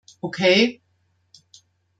Okay.